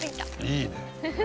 いいね。